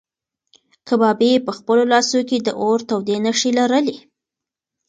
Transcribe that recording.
کبابي په خپلو لاسو کې د اور تودې نښې لرلې.